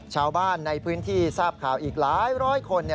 ชาวบ้านในพื้นที่ทราบข่าวอีกหลายร้อยคน